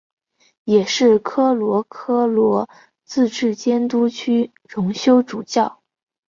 也是科罗科罗自治监督区荣休主教。